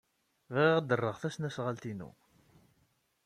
Bɣiɣ ad d-rreɣ tasnasɣalt-inu.